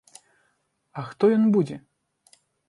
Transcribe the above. А хто ён будзе?